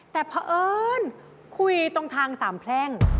แต่เพราะเอิญคุยตรงทางสามแพร่ง